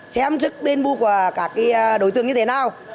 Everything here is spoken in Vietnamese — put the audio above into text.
xem trước đền bù của các đối tượng như thế nào